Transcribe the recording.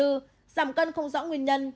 giảm cân không rõ nguyên nhân